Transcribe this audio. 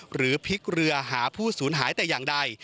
หรือพลิกเรือหาผู้สูญหายแต่อย่างใด